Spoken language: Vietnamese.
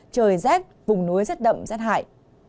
trời rét vùng núi rét đậm rét hại